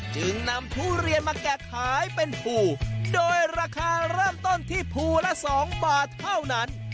จึงนำทุเรียนมาแกะขายเป็นภูโดยราคาเริ่มต้นที่ภูละ๒บาทเท่านั้น